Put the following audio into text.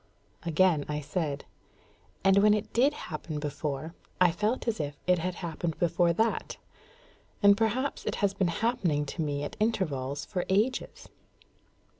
Again I said, "And when it did happen before, I felt as if it had happened before that; and perhaps it has been happening to me at intervals for ages."